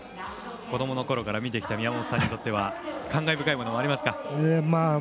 子どものころから見てきた宮本さんにとっては感慨深いものがありますか？